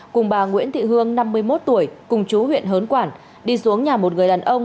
cùng bà nguyễn thị hương năm mươi một tuổi cùng chú huyện hớn quản đi xuống nhà một người đàn ông